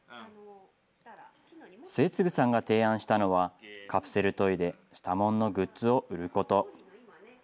末次さんが提案したのは、カプセルトイでスタモンのグッズを売ること。